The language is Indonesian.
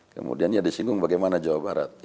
kemudian ya disinggung bagaimana jawa barat